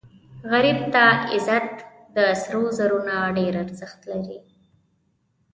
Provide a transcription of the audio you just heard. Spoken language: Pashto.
غریب ته عزت د سرو زرو نه ډېر ارزښت لري